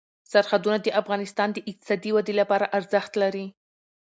سرحدونه د افغانستان د اقتصادي ودې لپاره ارزښت لري.